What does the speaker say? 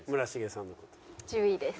１０位です。